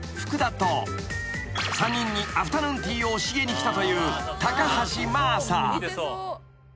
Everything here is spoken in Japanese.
［３人にアフタヌーンティーを教えに来たという］